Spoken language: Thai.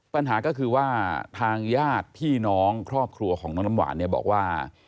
ปัญหาก็คือว่าทางญาติพี่น้องครอบครัวของน้องน้ำหวานเนี่ยบอกว่า